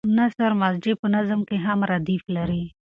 نثر مسجع په نظم کې هم ردیف لري.